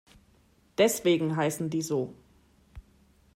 Deswegen heißen die so.